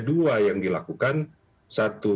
dua yang dilakukan satu